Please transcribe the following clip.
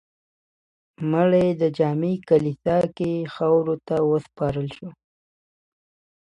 مړی یې د جامع کلیسا کې خاورو ته وسپارل شو.